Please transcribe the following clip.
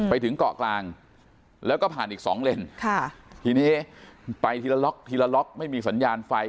ไปถึงเกาะกลางแล้วก็ผ่านอีกสองเลนค่ะทีนี้ไปทีละล็อกทีละล็อกไม่มีสัญญาณไฟ